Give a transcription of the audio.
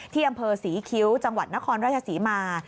ที่อำเภอศรีคิ้วจังหวัดนครราชศรีมา